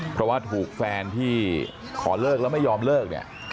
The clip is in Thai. เพราะว่าถูกแฟนที่ขอเลิกแล้วไม่ยอมเลิกเนี่ย